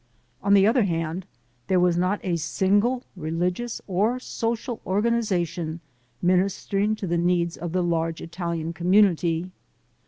On the other hand, there was not a single religious or social organization ministering to the needs of the large Italian community.